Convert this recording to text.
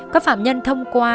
các phạm nhân thông qua